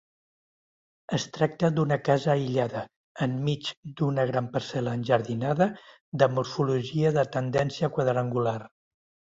Es tracta d'una casa aïllada, enmig d'una gran parcel·la enjardinada de morfologia de tendència quadrangular.